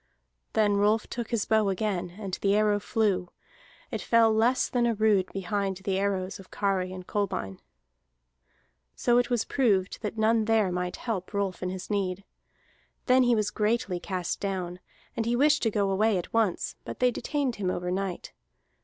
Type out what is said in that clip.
Then Rolf took his bow again, and the arrow flew; it fell less than a rood behind the arrows of Kari and Kolbein. So it was proved that none there might help Rolf in his need. Then he was greatly cast down; and he wished to go away at once, but they detained him over night.